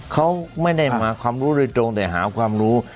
เขาไม่ได้มาความรู้โดยตรงแต่หาความรู้